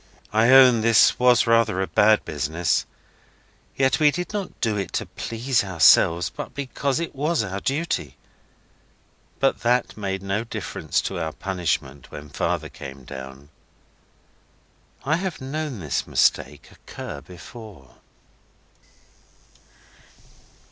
I own this was rather a bad business. Yet we did not do it to please ourselves, but because it was our duty. But that made no difference to our punishment when Father came down. I have known this mistake occur before.